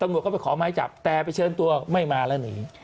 โอนว่าปั๊บจับแต่ไปเชิญตัวไม่มาแล้วหนี